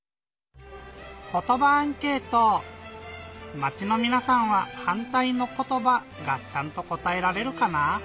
まちのみなさんは「はんたいのことば」がちゃんとこたえられるかな？